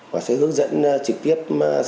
và sẽ hướng dẫn trực tiếp